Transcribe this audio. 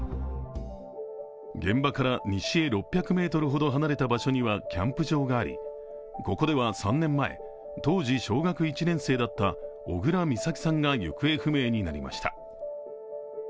現場から西へ６００ｍほど離れた場所にはキャンプ場がありここでは３年前、当時小学１年生だった小倉美咲さんが行方不明になりました。